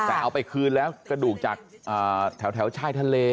แต่เอาไปคืนแล้วกระดูกจากแถวชายทะเล